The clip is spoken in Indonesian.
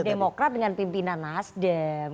demokrat dengan pimpinan nasdem